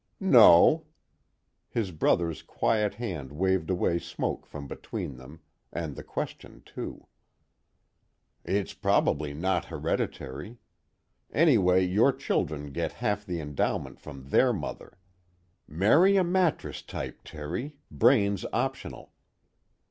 "No." His brother's quiet hand waved away smoke from between them, and the question too. "It's probably not hereditary. Anyway your children get half the endowment from their mother. Marry a mattress type, Terry, brains optional.